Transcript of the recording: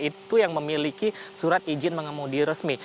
itu yang memiliki surat izin mengemudi resmi